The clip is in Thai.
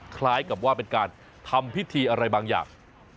คล้ายกับว่าเป็นการทำพิธีอะไรบางอย่าง